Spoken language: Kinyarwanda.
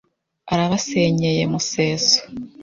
Arabasenyeye Museso